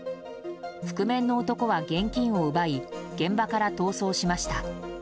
覆面の男は現金を奪い現場から逃走しました。